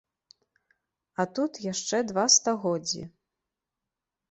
А тут яшчэ два стагоддзі!